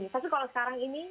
tapi kalau sekarang ini